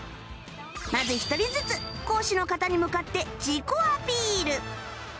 まず１人ずつ講師の方に向かって自己アピール